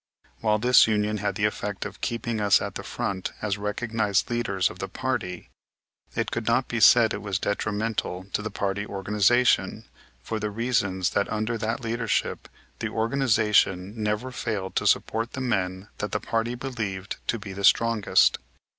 While this union had the effect of keeping us at the front as recognized leaders of the party it could not be said it was detrimental to the party organization, for the reason that under that leadership the organization never failed to support the men that the party believed to be the strongest.